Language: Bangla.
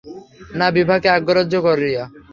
না, বিভাকে অগ্রাহ্য করিয়া।